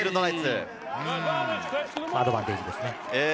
アドバンテージですね。